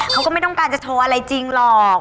เขาก็ไม่ต้องการจะโทรอะไรจริงหรอก